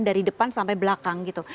dari depan sampai belakang gitu